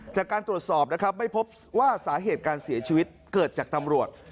จากการตรวจสอบนะครับไม่พบว่าสาเหตุการเสียชีวิตเกิดจากตำรวจ